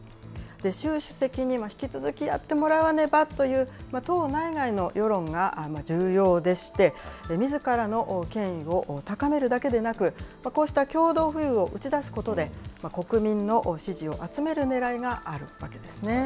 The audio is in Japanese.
習主席に引き続きやってもらわねばという党内外の世論が重要でして、みずからの権威を高めるだけでなく、こうした共同富裕を打ち出すことで、国民の支持を集めるねらいがあるわけですね。